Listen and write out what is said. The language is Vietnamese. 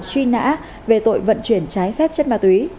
truy nã về tội vận chuyển trái phép chất ma túy